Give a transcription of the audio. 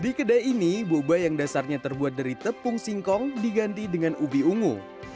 di kedai ini boba yang dasarnya terbuat dari tepung singkong diganti dengan ubi ungu